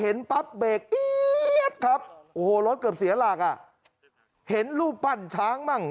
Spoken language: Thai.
พอเห็นปั๊บเบรกครับโอ้โหรถเกือบเสียหลากอ่ะเห็นลูกปั้นช้างบ้าง